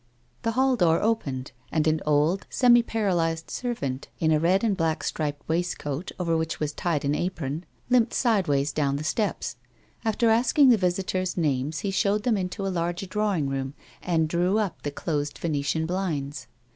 The hall door opened, and an old, semi paralysed servant (in a red and black striped waistcoat, over which was tied an apron) limped sideways down the steps ; after asking the visitors' names he showed them into a large drav>'ing room, and drew up the closed Venetian blinds.